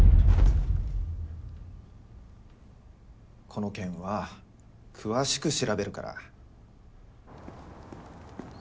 この件は詳しく調べるから。